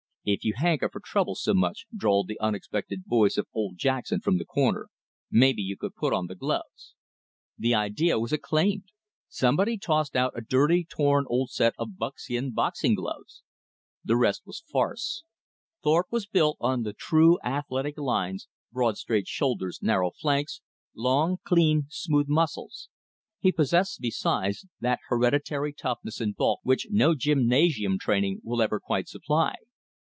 "If you hanker for trouble so much," drawled the unexpected voice of old Jackson from the corner, "mebbe you could put on th' gloves." The idea was acclaimed. Somebody tossed out a dirty torn old set of buckskin boxing gloves. The rest was farce. Thorpe was built on the true athletic lines, broad, straight shoulders, narrow flanks, long, clean, smooth muscles. He possessed, besides, that hereditary toughness and bulk which no gymnasium training will ever quite supply.